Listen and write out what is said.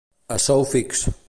A sou fix.